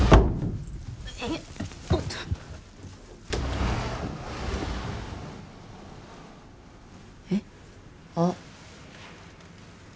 おっと。えっ？あっ。